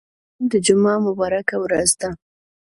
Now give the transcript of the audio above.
نن د جمعه مبارکه ورځ ده.